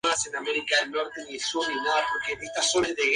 Se unieron a este batallón las reliquias de los otros batallones y atacaron.